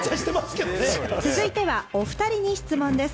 続いては２人に質問です。